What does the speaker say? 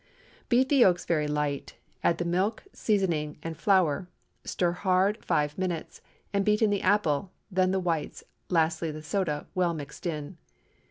Beat the yolks very light, add the milk, seasoning, and flour. Stir hard five minutes, and beat in the apple, then the whites, lastly the soda, well mixed in.